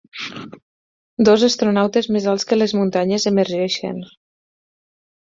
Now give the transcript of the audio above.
Dos astronautes, més alts que les muntanyes, emergeixen.